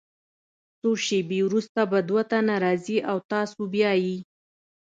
څو شیبې وروسته به دوه تنه راځي او تاسو بیایي.